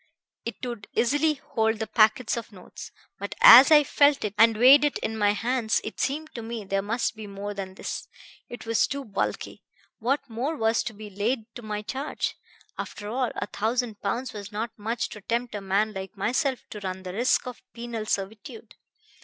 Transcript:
It would easily hold the packets of notes. But as I felt it and weighed it in my hands it seemed to me there must be more than this. It was too bulky. What more was to be laid to my charge? After all, a thousand pounds was not much to tempt a man like myself to run the risk of penal servitude.